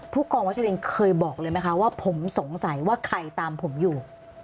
ผู้กองวัชลินเคยบอกเลยไหมคะว่าผมสงสัยว่าใครตามผมอยู่